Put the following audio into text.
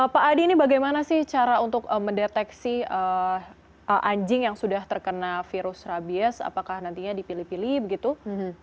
pak adi ini bagaimana sih cara untuk mendeteksi anjing yang sudah terkena virus rabies apakah nantinya dipilih pilih begitu